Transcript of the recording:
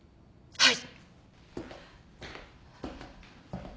はい！